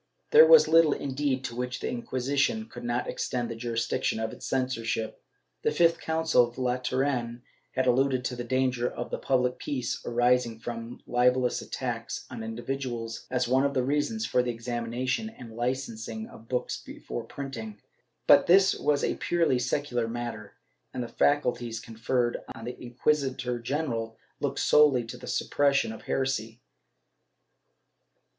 ^ There was httle, indeed, to which the Inquisition could not extend the jurisdiction of its censorship. The fifth Council of Lateran had alluded to the danger to the public peace arising from libellous attacks on individuals, as one of the reasons for the examination and licensing of books before printing, but this was a purely secular matter, and the faculties conferred on the inquis itor general looked solely to the suppression of heresy.